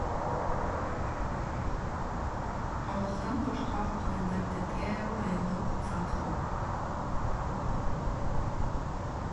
Аллаһтан башка гыйбадәткә лаеклы зат юк